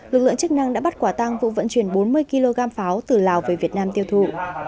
lực lượng chức năng đã bắt quả tăng vụ vận chuyển bốn mươi kg pháo từ lào về việt nam tiêu thụ